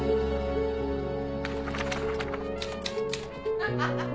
ハハハハ！